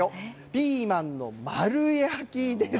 ピーマンの丸焼きです。